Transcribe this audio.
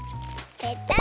ペタッ！